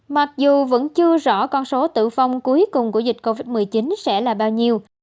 mặc dù vẫn chưa rõ con số tử vong cuối cùng của dịch covid một mươi chín sẽ là bao nhiêu